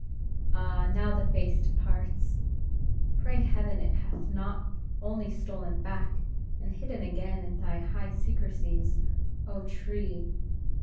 Ah, now the face departs. Pray heaven it hath not only stolen back, and hidden again in thy high secrecies, oh tree!